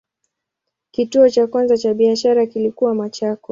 Kituo cha kwanza cha biashara kilikuwa Machakos.